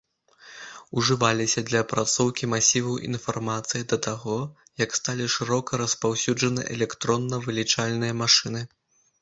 Ужываліся для апрацоўкі масіваў інфармацыі да таго, як сталі шырока распаўсюджаны электронна-вылічальныя машыны.